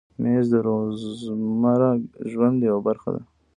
مېز د روزمره ژوند یوه برخه ده.